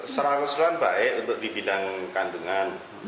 serangkut seluruhan baik untuk di bidang kandungan